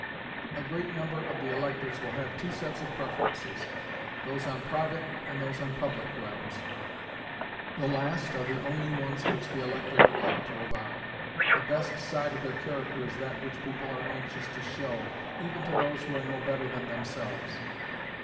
A great number of the electors will have two sets of preferences those on private and those on public grounds. The last are the only ones which the elector would like to avow. The best side of their character is that which people are anxious to show, even to those who are no better than themselves.